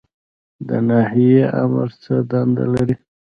د ناحیې آمر څه دنده لري؟